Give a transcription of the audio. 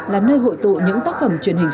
là nơi hội tụ những tác phẩm truyền hình